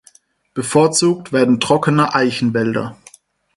Bevorzugt werden trockene Eichenwälder.